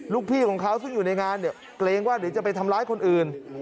ลูกพี่ของเขาซึ่งอยู่ในงานเนี่ยเกรงว่าเดี๋ยวจะไปทำร้ายคนอื่น